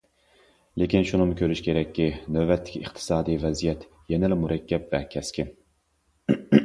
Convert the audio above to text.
لېكىن شۇنىمۇ كۆرۈش كېرەككى، نۆۋەتتىكى ئىقتىسادىي ۋەزىيەت يەنىلا مۇرەككەپ ۋە كەسكىن.